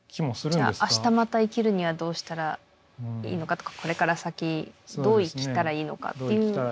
じゃあ明日また生きるにはどうしたらいいのかとかこれから先どう生きたらいいのかっていう。